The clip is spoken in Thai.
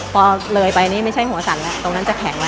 พอเลยไปอันนี้ไม่ใช่หัวสันอ่ะตรงนั้นจะแข็งมาก